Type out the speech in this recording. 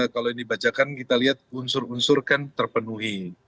kalau ini dibacakan kita lihat unsur unsur kan terpenuhi